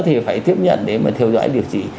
thì phải tiếp nhận để mà theo dõi điều trị